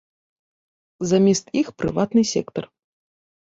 Замест іх прыватны сектар.